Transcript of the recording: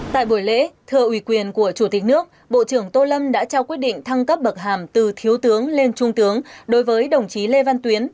tại buổi lễ thưa ủy quyền của chủ tịch nước bộ trưởng tô lâm đã trao quyết định thăng cấp bậc hàm từ thiếu tướng lên trung tướng đối với đồng chí lê văn tuyến